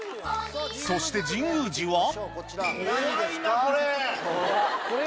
そして神宮寺はお！